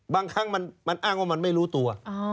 บางครั้งมันอ้างว่ามันไม่รู้ตัว